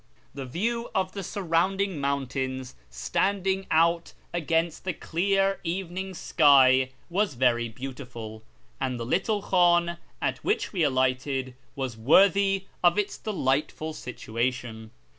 The view of the surrounding mountains standing out against the clear evening sky was very beautiful, and the little hliim at which we alighted was worthy of its delightful situation.